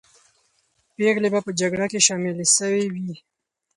پېغلې به په جګړه کې شاملې سوې وي.